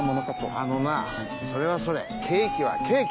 あのなそれはそれケーキはケーキ！